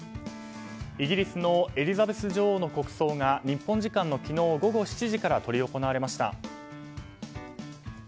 イギリスエリザベス女王の国葬が日本時間の昨日午後７時から執り行われました。